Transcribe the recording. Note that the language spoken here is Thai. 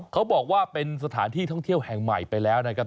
เขาบอกว่าเป็นสถานที่ท่องเที่ยวแห่งใหม่ไปแล้วนะครับ